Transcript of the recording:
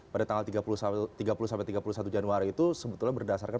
pada tanggal tiga puluh tiga puluh satu januari itu sebetulnya berdasarkan